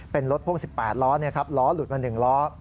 เป็นรถพ่วง๑๘ล้อล้อหลุดมา๑ล้อ